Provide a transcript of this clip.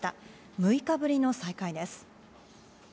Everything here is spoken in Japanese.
６日ぶりの再開です。